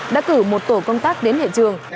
đã cử một tổ công tác đến hệ trường